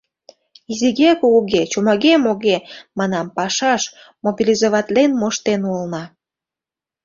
Изиге-кугуге, чомаге-моге, манам, пашаш мобилизоватлен моштен улына.